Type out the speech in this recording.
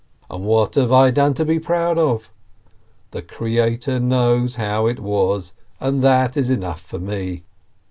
And what have I done to be proud of? The Creator knows how it was, and that is enough for me.